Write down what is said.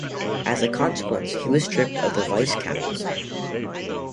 As a consequence, he was stripped of the vice-captaincy.